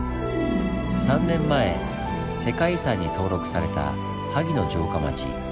３年前世界遺産に登録された萩の城下町。